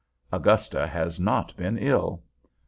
Augusta has not been ill.